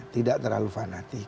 tidak terlalu fanatik